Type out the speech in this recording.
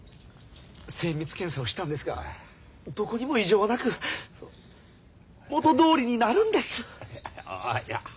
精密検査をしたんですがどこにも異常はなく元どおりになるんです。